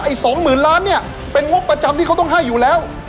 สองหมื่นล้านเนี่ยเป็นงบประจำที่เขาต้องให้อยู่แล้ว